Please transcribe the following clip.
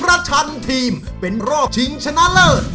และจำนวน๓ทีมเป็นรอบชิงชนะเลิศ